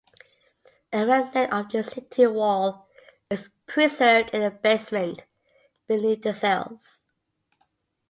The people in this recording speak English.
A remnant of the city wall is preserved in the basement beneath the cells.